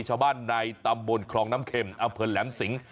ชาวบ้านนายตำบลครองน้ำเข็มอำเผินแหลมสิงห์